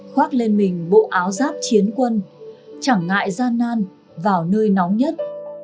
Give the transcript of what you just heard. khoác lên mình bộ áo giáp chiến quân chẳng ngại gian nan vào nơi nóng nhất